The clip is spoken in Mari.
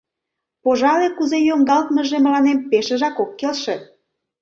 Пожале, кузе йоҥгалтмыже мыланем пешыжак ок келше.